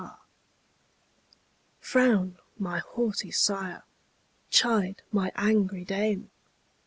Frown, my haughty sire! chide, my angry dame!